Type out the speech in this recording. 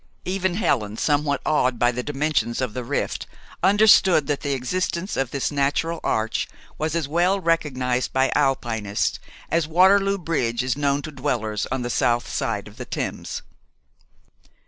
Even Helen, somewhat awed by the dimensions of the rift, understood that the existence of this natural arch was as well recognized by Alpinists as Waterloo Bridge is known to dwellers on the south side of the Thames.